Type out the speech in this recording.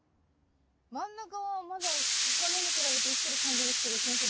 真ん中はまだ他のに比べて生きてる感じですけど先生